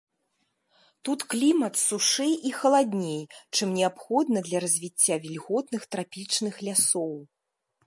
Тут клімат сушэй і халадней, чым неабходна для развіцця вільготных трапічных лясоў.